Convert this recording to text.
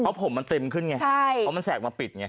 เอาผมมันติ่มขึ้นไงเขามันแสกมาปิดไง